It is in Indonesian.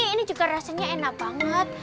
ini juga rasanya enak banget